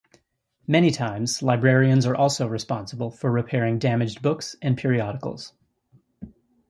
Many times, librarians are also responsible for repairing damaged books and periodicals.